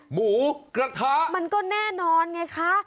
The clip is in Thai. หมูกระทะมันก็แน่นอนไงคะ